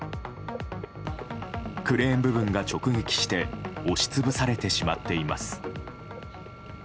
クレーン部分が直撃して押し潰されてしまっています。